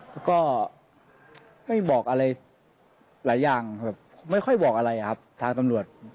แล้วก็ไม่บอกอะไรหลายอย่างแบบไม่ค่อยบอกอะไรครับทางตำรวจ